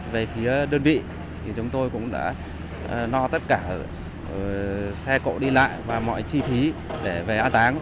về phía đơn vị thì chúng tôi cũng đã no tất cả xe cộ đi lại và mọi chi phí để về an táng